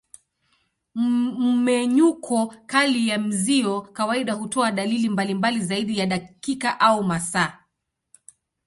Mmenyuko kali ya mzio kawaida hutoa dalili mbalimbali zaidi ya dakika au masaa.